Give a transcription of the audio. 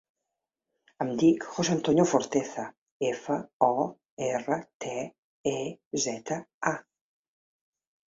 Em dic José antonio Forteza: efa, o, erra, te, e, zeta, a.